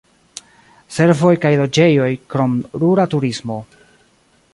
Servoj kaj loĝejoj, krom rura turismo.